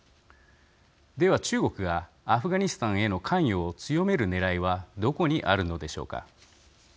では中国がアフガニスタンへの関与を強めるねらいはどこにあるのでしょうか。